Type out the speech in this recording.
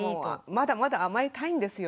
まだまだ甘えたいんですよ。